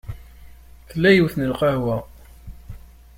Tella yiwet n lqahwa.